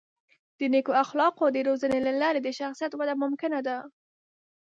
د نیکو اخلاقو د روزنې له لارې د شخصیت وده ممکنه ده.